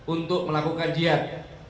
untuk melakukan jihad